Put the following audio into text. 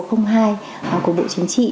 của bộ chính trị